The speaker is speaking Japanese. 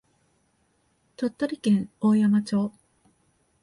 鳥取県大山町